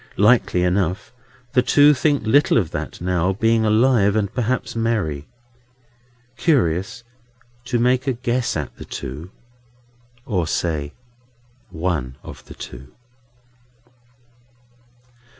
Likely enough, the two think little of that now, being alive, and perhaps merry. Curious, to make a guess at the two;—or say one of the two!